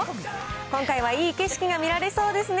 今回はいい景色が見られそうですね。